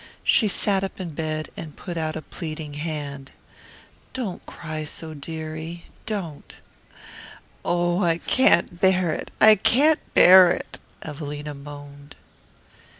She sat up in bed and put out a pleading hand. "Don't cry so, dearie. Don't." "Oh, I can't bear it, I can't bear it," Evelina moaned.